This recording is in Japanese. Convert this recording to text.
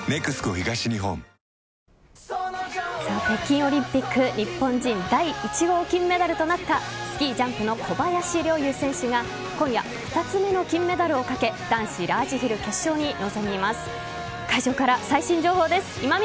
北京オリンピック日本人第１号金メダルとなったスキージャンプの小林陵侑選手が今夜２つ目の金メダルをかけ男子ラージヒル決勝に臨みます。